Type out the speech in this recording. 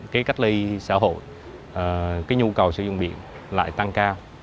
cái cách ly xã hội cái nhu cầu sử dụng điện lại tăng cao